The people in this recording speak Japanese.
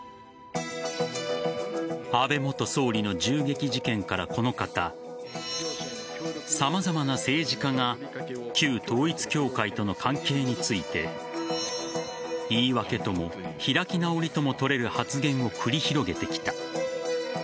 安倍元総理の銃撃事件からこの方様々な政治家が旧統一教会との関係について言い訳とも開き直りともとれる発言を繰り広げてきた。